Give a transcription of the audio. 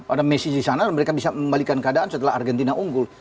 ada messi di sana dan mereka bisa membalikan keadaan setelah argentina unggul